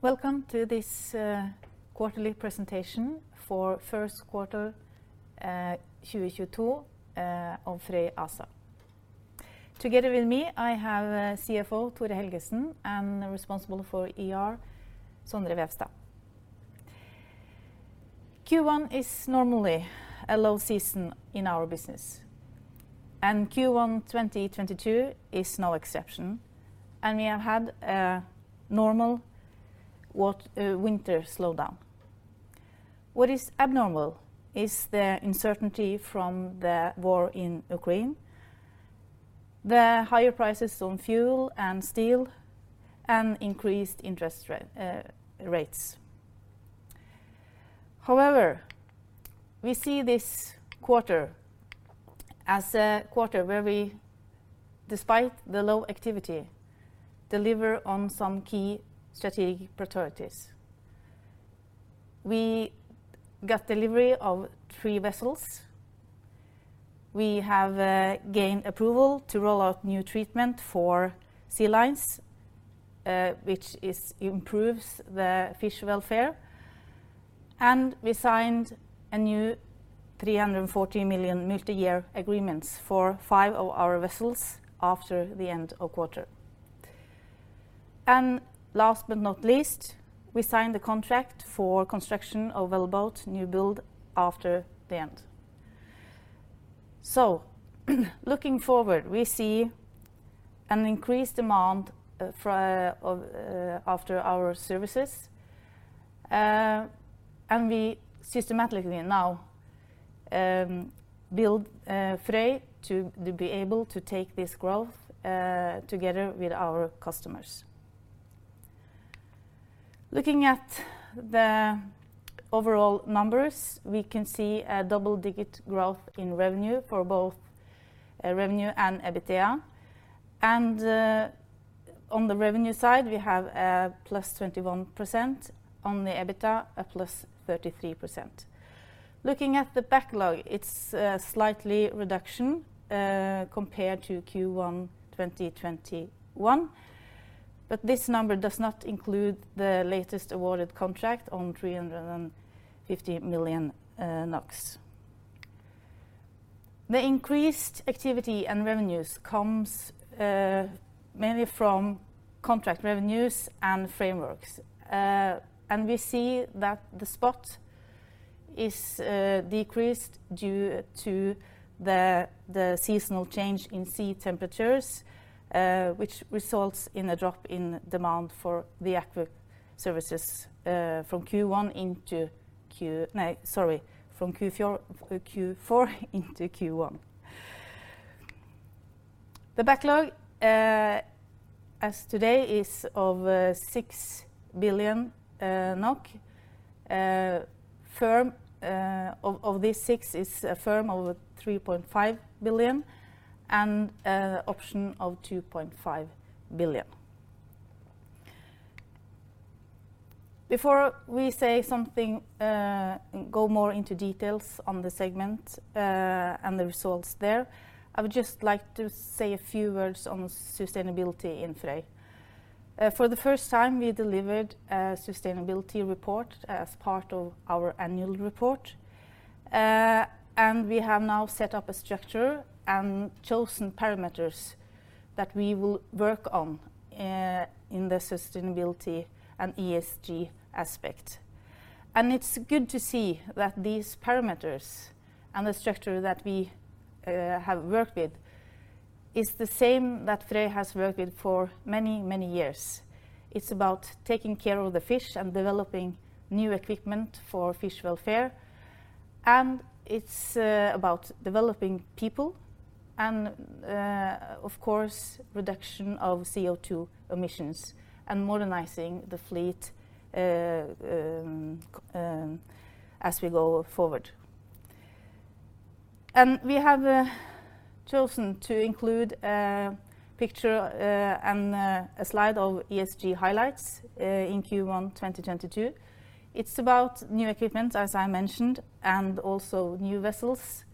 Welcome to this quarterly presentation for first quarter 2022 of Frøy ASA. Together with me, I have CFO Tore Helgesen and responsible for IR Sondre Vevstad. Q1 is normally a low season in our business, and Q1 2022 is no exception, and we have had a normal winter slowdown. What is abnormal is the uncertainty from the war in Ukraine, the higher prices on fuel and steel, and increased interest rates. However, we see this quarter as a quarter where we, despite the low activity, deliver on some key strategic priorities. We got delivery of three vessels. We have gained approval to roll out new treatment for sea lice, which improves the fish welfare, and we signed a new 340 million multi-year agreements for five of our vessels after the end of quarter. Last but not least, we signed the contract for construction of wellboat new build after the end. Looking forward, we see an increased demand for our services, and we systematically now build Frøy to be able to take this growth together with our customers. Looking at the overall numbers, we can see a double-digit growth in both revenue and EBITDA. On the revenue side, we have +21%; on the EBITDA, a +33%. Looking at the backlog, it's a slight reduction compared to Q1 2021, but this number does not include the latest awarded contract on 350 million NOK. The increased activity and revenues comes mainly from contract revenues and frameworks. We see that the spot is decreased due to the seasonal change in sea temperatures, which results in a drop in demand for the aqua services, from Q4 into Q1. The backlog as today is 6 billion NOK. Of these six is a firm of 3.5 billion and an option of 2.5 billion. Before we say something, go more into details on the segment, and the results there, I would just like to say a few words on sustainability in Frøy. For the first time, we delivered a sustainability report as part of our annual report. We have now set up a structure and chosen parameters that we will work on, in the sustainability and ESG aspect. It's good to see that these parameters and the structure that we have worked with is the same that Frøy has worked with for many, many years. It's about taking care of the fish and developing new equipment for fish welfare, and it's about developing people and of course, reduction of CO2 emissions and modernizing the fleet as we go forward. We have chosen to include a picture and a slide of ESG highlights in Q1 2022. It's about new equipment, as I mentioned, and also new vessels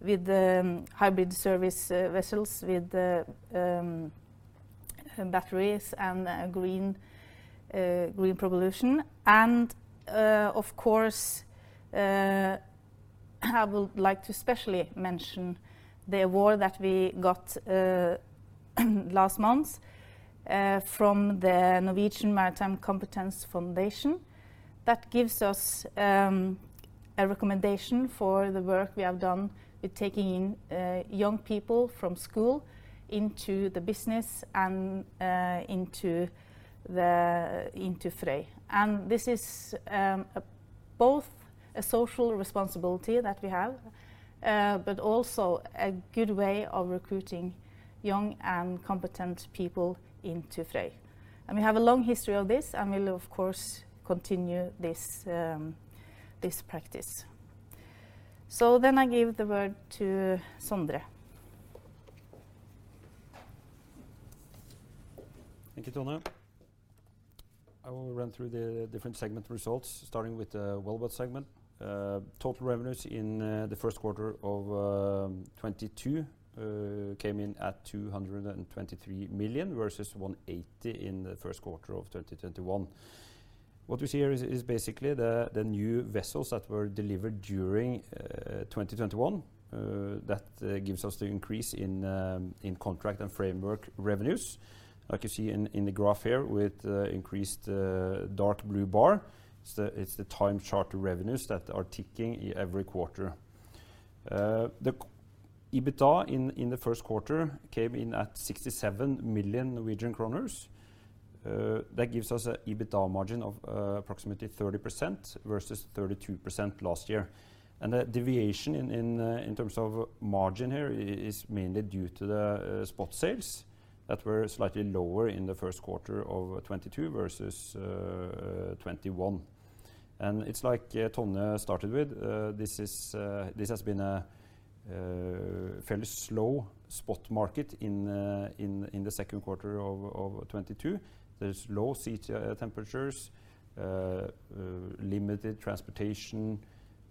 with the hybrid service vessels with the batteries and a green propulsion. Of course, I would like to especially mention the award that we got last month from the Stiftelsen Norsk Maritim Kompetanse. That gives us a recommendation for the work we have done with taking young people from school into the business and into Frøy. This is both a social responsibility that we have but also a good way of recruiting young and competent people into Frøy. We have a long history of this and will of course continue this practice. I give the word to Sondre. Thank you, Tonje. I will run through the different segment results starting with the wellboat segment. Total revenues in the first quarter of 2022 came in at 223 million versus 180 million in the first quarter of 2021. What we see here is basically the new vessels that were delivered during 2021 that gives us the increase in contract and framework revenues. Like you see in the graph here with increased dark blue bar, it's the time charter revenues that are ticking every quarter. The EBITDA in the first quarter came in at 67 million Norwegian kroners. That gives us a EBITDA margin of approximately 30% versus 32% last year. The deviation in terms of margin here is mainly due to the spot sales that were slightly lower in the first quarter of 2022 versus 2021. It's like this has been a fairly slow spot market in the second quarter of 2022. There's low sea temperatures, limited transportation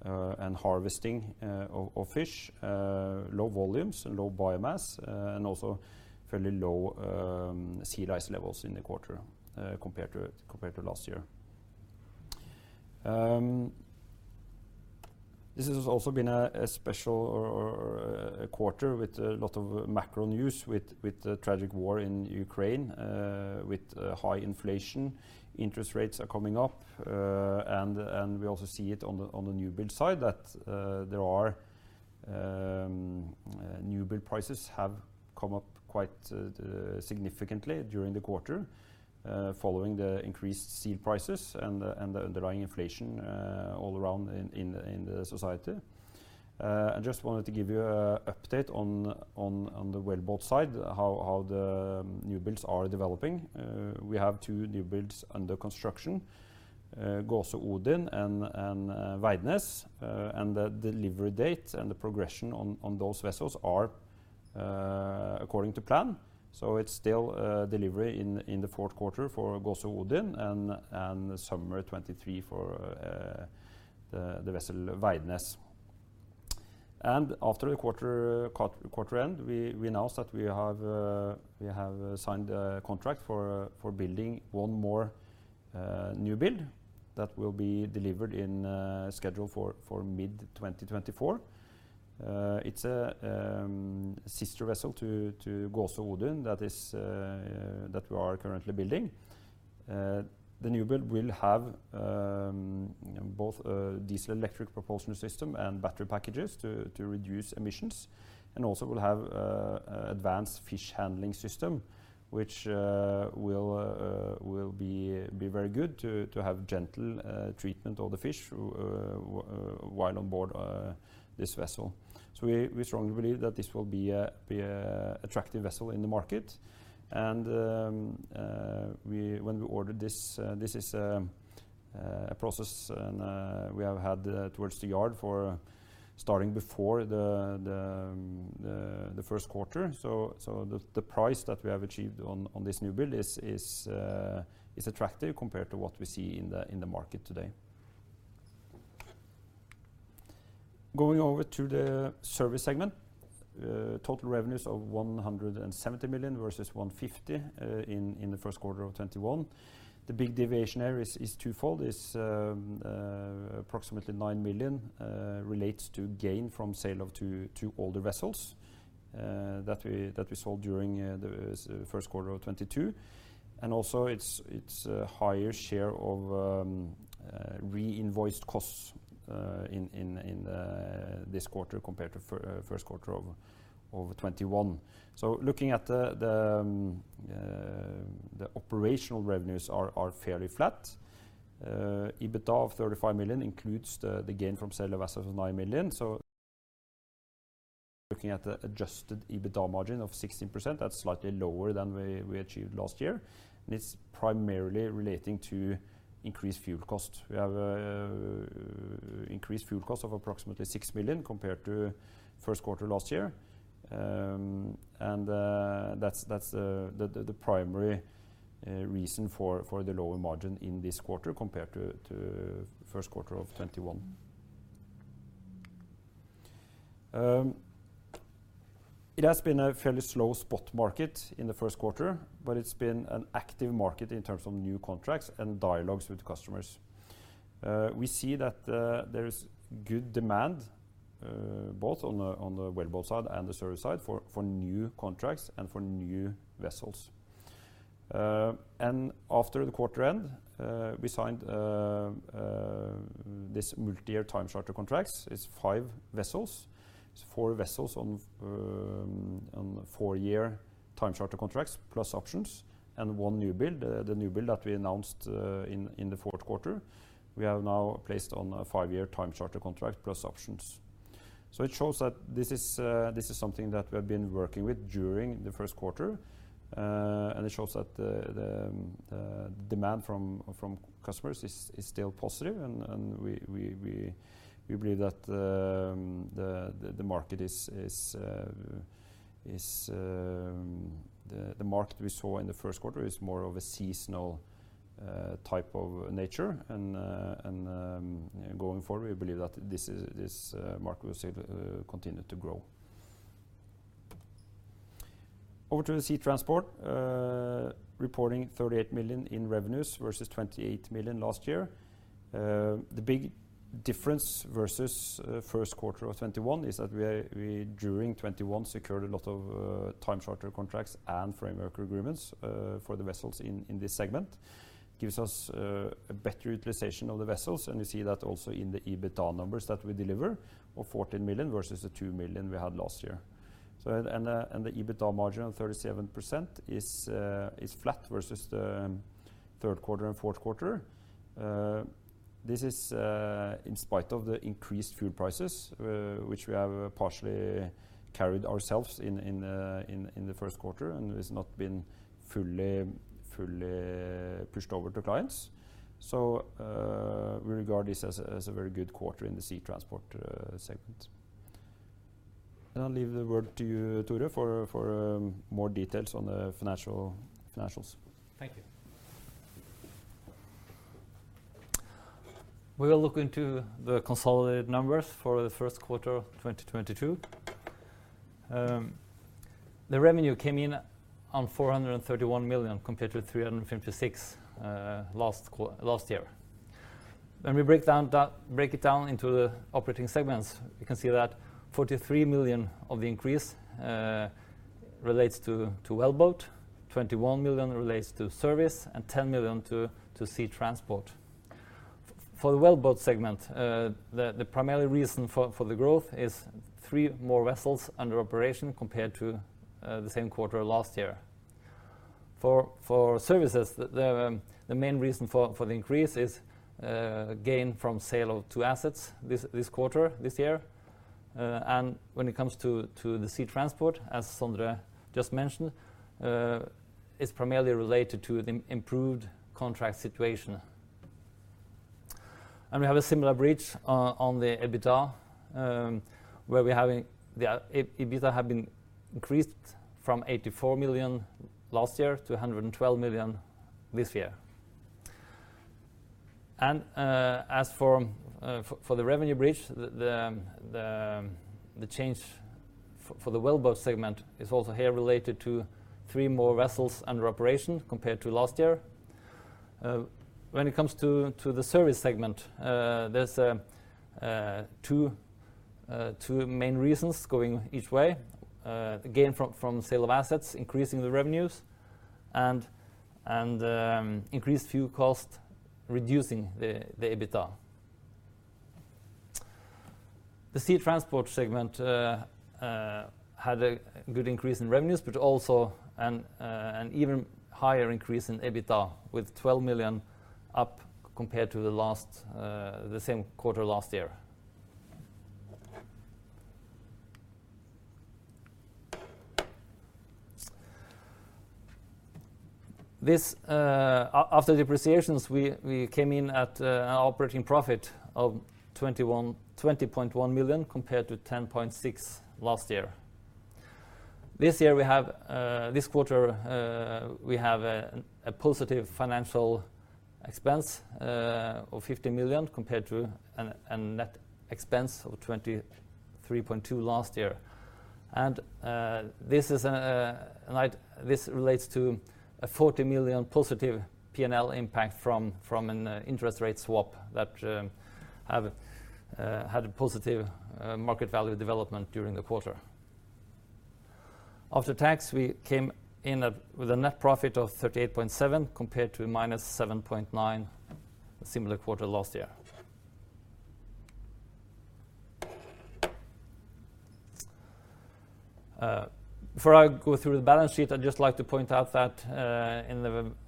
and harvesting of fish, low volumes and low biomass, and also fairly low sea lice levels in the quarter compared to last year. This has also been a special quarter with a lot of macro news with the tragic war in Ukraine, with high inflation, interest rates are coming up. We also see it on the new build side that new build prices have come up quite significantly during the quarter, following the increased steel prices and the underlying inflation all around in the society. I just wanted to give you an update on the wellboat side, how the new builds are developing. We have two new builds under construction, Gåsø Odin and Veidnes. The delivery date and the progression on those vessels are according to plan. It's still delivery in the fourth quarter for Gåsø Odin and summer 2023 for the vessel Veidnes. After the quarter end, we announced that we have signed a contract for building one more new build that will be delivered in schedule for mid 2024. It's a sister vessel to Gåsø Odin that we are currently building. The new build will have both a diesel electric propulsion system and battery packages to reduce emissions and also will have a advanced fish handling system which will be very good to have gentle treatment of the fish while on board this vessel. We strongly believe that this will be a attractive vessel in the market. When we ordered this is a process and we have had towards the yard for starting before the first quarter. The price that we have achieved on this new build is attractive compared to what we see in the market today. Going over to the service segment. Total revenues of 170 million versus 150 million in the first quarter of 2021. The big deviation here is twofold. Approximately 9 million relates to gain from sale of two older vessels that we sold during the first quarter of 2022. It's a higher share of reinvoiced costs in this quarter compared to first quarter of 2021. Looking at the operational revenues are fairly flat. EBITDA of 35 million includes the gain from sale of assets of 9 million. Looking at the adjusted EBITDA margin of 16%, that's slightly lower than we achieved last year, and it's primarily relating to increased fuel costs. We have increased fuel costs of approximately 6 million compared to first quarter last year. That's the primary reason for the lower margin in this quarter compared to first quarter of 2021. It has been a fairly slow spot market in the first quarter, but it's been an active market in terms of new contracts and dialogues with customers. We see that there is good demand both on the wellboat side and the service side for new contracts and for new vessels. After the quarter end, we signed this multi-year time charter contracts. It's five vessels. It's four vessels on four-year time charter contracts plus options and one new build. The new build that we announced in the fourth quarter, we have now placed on a five-year time charter contract plus options. It shows that this is something that we have been working with during the first quarter. It shows that the demand from customers is still positive and we believe that the market is. The market we saw in the first quarter is more of a seasonal type of nature and going forward, we believe that this market will still continue to grow. Over to the Sea Transport, reporting 38 million in revenues versus 28 million last year. The big difference versus first quarter of 2021 is that we during 2021 secured a lot of time charter contracts and framework agreements for the vessels in this segment. Gives us a better utilization of the vessels, and we see that also in the EBITDA numbers that we deliver of 14 million versus the 2 million we had last year. The EBITDA margin of 37% is flat versus the third quarter and fourth quarter. This is in spite of the increased fuel prices, which we have partially carried ourselves in the first quarter and has not been fully pushed over to clients. We regard this as a very good quarter in the Sea Transport segment. I'll leave the word to you, Tore, for more details on the financials. Thank you. We will look into the consolidated numbers for the first quarter of 2022. The revenue came in on 431 million compared to 356 million last year. When we break it down into the operating segments, you can see that 43 million of the increase relates to Wellboat, 21 million relates to Services, and 10 million to Sea Transport. For the Wellboat segment, the primary reason for the growth is three more vessels under operation compared to the same quarter last year. For Services, the main reason for the increase is gain from sale of two assets this quarter this year. When it comes to the Sea Transport, as Sondre just mentioned, is primarily related to the improved contract situation. We have a similar bridge on the EBITDA, where the EBITDA has been increased from 84 million last year to 112 million this year. As for the revenue bridge, the change for the Wellboat segment is also here related to three more vessels under operation compared to last year. When it comes to the Service segment, there's two main reasons going each way. Again, from sale of assets increasing the revenues and increased fuel costs reducing the EBITDA. The Sea Transport segment had a good increase in revenues but also an even higher increase in EBITDA with 12 million up compared to the same quarter last year. After depreciations, we came in at an operating profit of 20.1 million compared to 10.6 million last year. This quarter, we have a positive financial expense of 50 million compared to a net expense of 23.2 million last year. This is like this relates to a 40 million positive P&L impact from an interest rate swap that had a positive market value development during the quarter. After tax, we came in with a net profit of 38.7 compared to -7.9 similar quarter last year. Before I go through the balance sheet, I'd just like to point out that in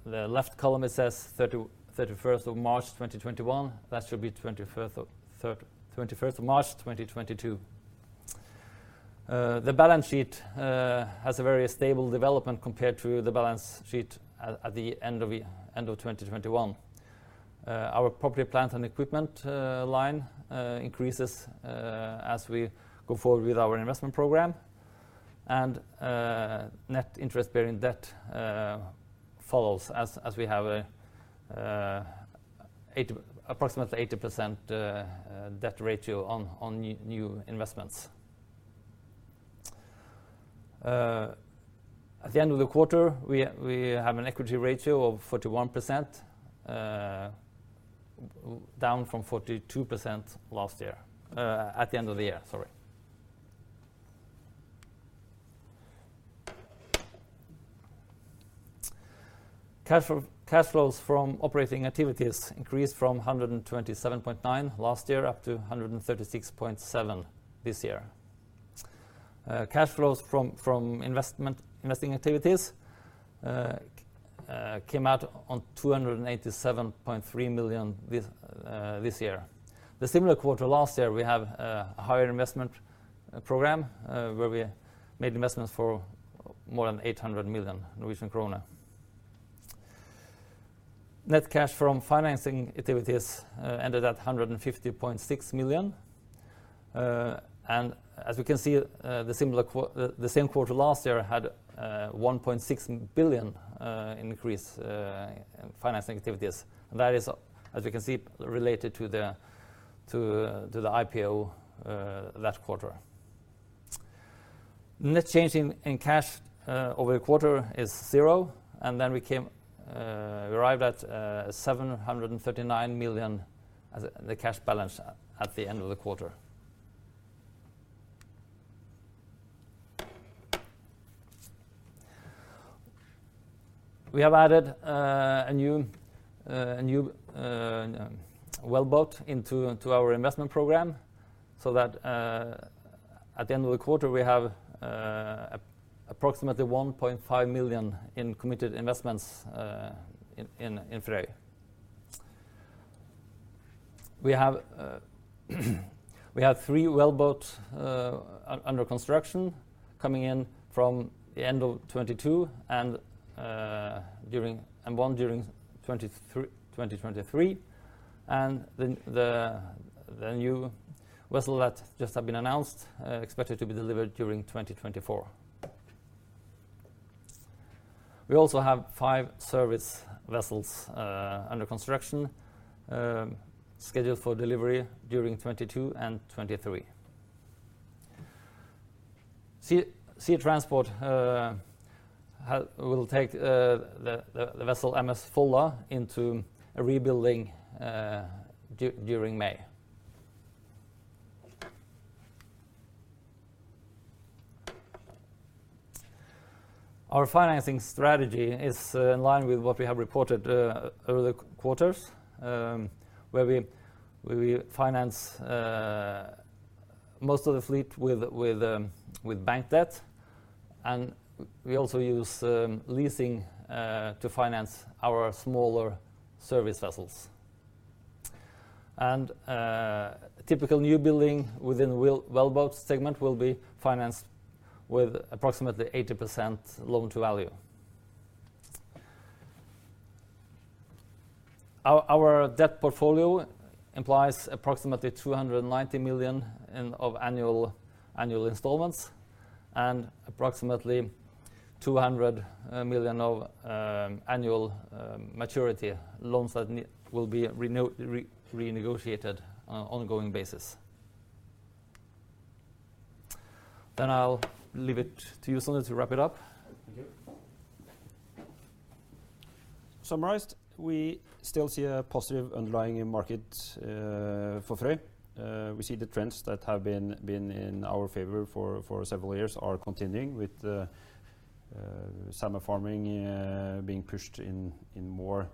the left column it says 31st of March, 2021. That should be 21st of March, 2022. The balance sheet has a very stable development compared to the balance sheet at the end of 2021. Our property, plant and equipment line increases as we go forward with our investment program. Net interest-bearing debt follows as we have approximately 80% debt ratio on new investments. At the end of the quarter, we have an equity ratio of 41%, down from 42% last year at the end of the year, sorry. Cash flows from operating activities increased from 127.9 million last year up to 136.7 million this year. Cash flows from investing activities came out to 287.3 million this year. The similar quarter last year, we had a higher investment program where we made investments for more than 800 million Norwegian krone. Net cash from financing activities ended at 150.6 million. And as you can see, the same quarter last year had a 1.6 billion increase in financing activities. That is, as you can see, related to the IPO last quarter. Net change in cash over the quarter is zero, and then we arrived at 739 million as the cash balance at the end of the quarter. We have added a new wellboat into our investment program so that at the end of the quarter, we have approximately 1.5 million in committed investments in Frøy. We have three wellboats under construction coming in from the end of 2022 and one during 2023. The new vessel that just have been announced, expected to be delivered during 2024. We also have five service vessels under construction scheduled for delivery during 2022 and 2023. Sea Transport will take the vessel MS Folla into a rebuilding during May. Our financing strategy is in line with what we have reported over the quarters where we finance most of the fleet with bank debt, and we also use leasing to finance our smaller service vessels. Typical new building within wellboat segment will be financed with approximately 80% loan-to-value. Our debt portfolio implies approximately 290 million in annual installments and approximately 200 million of annual maturity loans that will be renegotiated on an ongoing basis. I'll leave it to Sondre Vevstad to wrap it up. Thank you. Summarized, we still see a positive underlying market for Frøy. We see the trends that have been in our favor for several years are continuing with salmon farming being pushed in more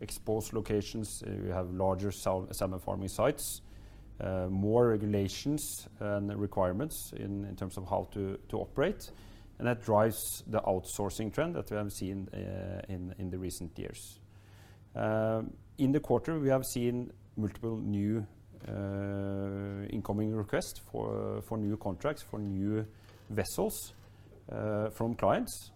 exposed locations. We have larger salmon farming sites, more regulations and requirements in terms of how to operate, and that drives the outsourcing trend that we have seen in the recent years. In the quarter, we have seen multiple new incoming requests for new contracts, for new vessels from clients.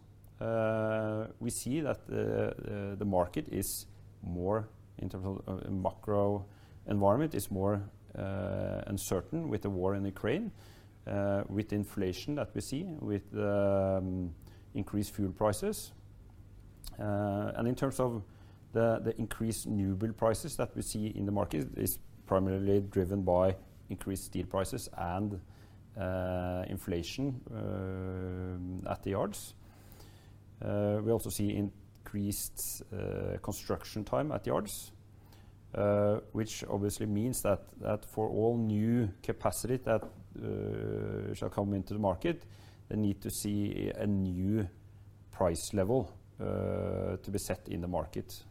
We see that the market is more in terms of macro environment is more uncertain with the war in Ukraine, with inflation that we see, with increased fuel prices. In terms of the increased new build prices that we see in the market is primarily driven by increased steel prices and inflation at the yards. We also see increased construction time at the yards, which obviously means that for all new capacity that shall come into the market, they need to see a new price level to be set in the market.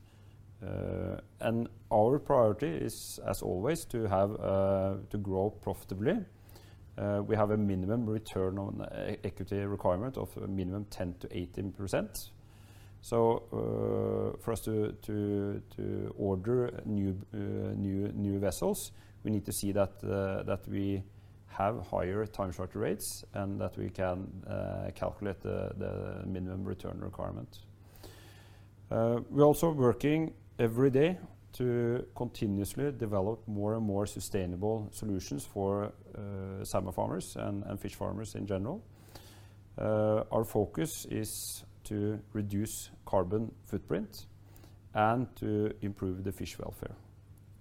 Our priority is, as always, to grow profitably. We have a minimum return on equity requirement of a minimum 10%-18%. For us to order new vessels, we need to see that we have higher time charter rates and that we can calculate the minimum return requirement. We're also working every day to continuously develop more and more sustainable solutions for salmon farmers and fish farmers in general. Our focus is to reduce carbon footprint and to improve the fish welfare,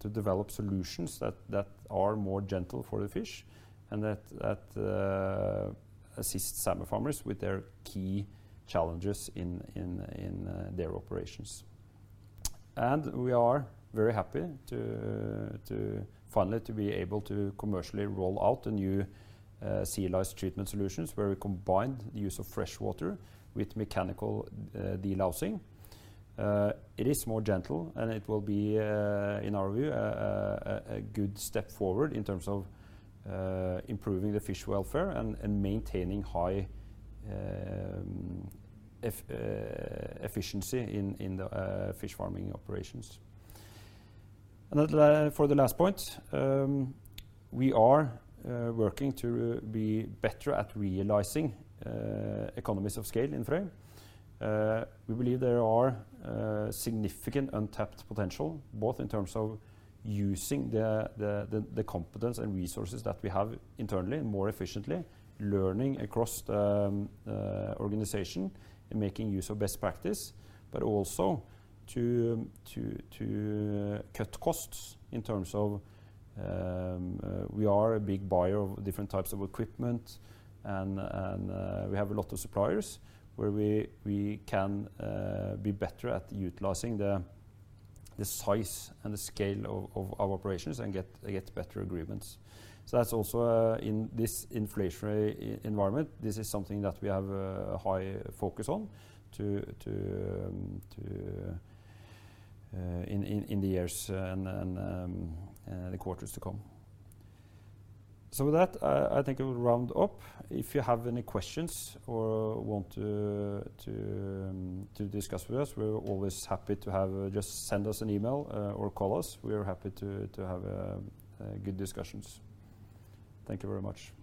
to develop solutions that are more gentle for the fish and that assist salmon farmers with their key challenges in their operations. We are very happy to finally be able to commercially roll out the new sea lice treatment solutions, where we combine the use of fresh water with mechanical delousing. It is more gentle, and it will be in our view a good step forward in terms of improving the fish welfare and maintaining high efficiency in the fish farming operations. For the last point, we are working to be better at realizing economies of scale in Frøy. We believe there are significant untapped potential, both in terms of using the competence and resources that we have internally more efficiently, learning across the organization and making use of best practice, but also to cut costs in terms of we are a big buyer of different types of equipment and we have a lot of suppliers where we can be better at utilizing the size and the scale of our operations and get better agreements. That's also in this inflationary environment. This is something that we have a high focus on in the years and the quarters to come. With that, I think I will wrap up. If you have any questions or want to discuss with us, we're always happy. Just send us an email or call us. We are happy to have good discussions. Thank you very much.